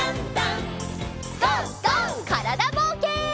からだぼうけん。